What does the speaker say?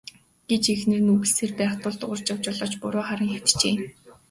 гэж эхнэр нь үглэсээр байх тул Дугаржав жолооч буруу харан хэвтжээ.